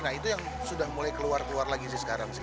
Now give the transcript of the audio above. nah itu yang sudah mulai keluar keluar lagi sih sekarang sih